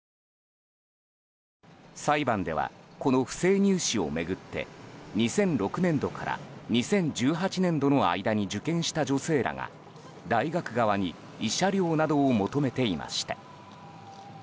裁判ではこの不正入試を巡って２００６年度から２０１８年度の間に受験した女性らが大学側に慰謝料などを求めていました。